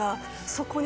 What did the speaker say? そこに。